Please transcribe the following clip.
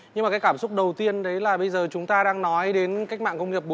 nhưng mà cái cảm xúc đầu tiên đấy là bây giờ chúng ta đang nói đến cách mạng công nghiệp bốn